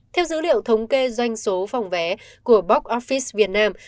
theo dữ liệu thống kê doanh số phòng vé của box office việt nam